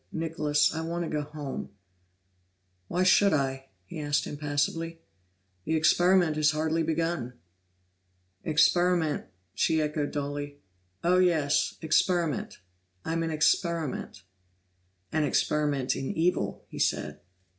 "Nicholas, I want to go home." "Why should I?" he asked impassively. "The experiment is hardly begun." "Experiment?" she echoed dully. "Oh, yes experiment. I'm an experiment." "An experiment in evil," he said.